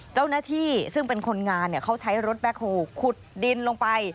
เจ้าหน้าที่ซึ่งเป็นคนงานเขาใช้รถแบคโฮลขุดดินลงไป